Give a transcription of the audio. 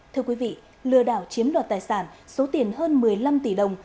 thưa quý vị lừa đảo chiếm đoạt tài sản số tiền hơn một mươi năm tỷ đồng